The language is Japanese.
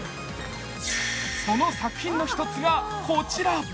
その作品の一つがこちら。